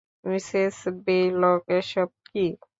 Mrs Baylock, এসব কী?